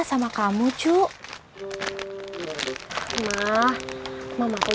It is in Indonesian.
bapak mau cuci muka dulu